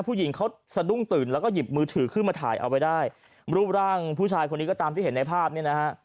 ผู้หญิงเขาสะดุ้งตื่นแล้วก็หยิบมือถือขึ้นมาถ่ายเอาไว้ได้รูปร่างผู้ชายคนนี้ก็ตามที่เห็นในภาพเนี่ยนะฮะ